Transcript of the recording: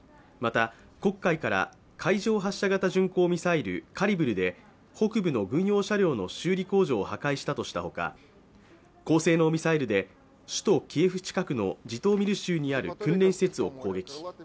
また黒海から海上発射型巡航ミサイル、カリブルで北部の軍用車両の修理工場を破壊したとしたほか高性能ミサイルで首都キエフ近くのジトーミル州にある訓練施設を攻撃。